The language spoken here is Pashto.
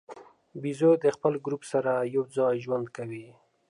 بیزو د خپل ګروپ سره یو ځای ژوند کوي.